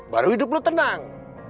baru hidup lu tenang